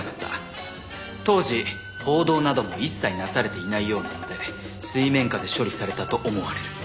当時報道なども一切なされていないようなので水面下で処理されたと思われる。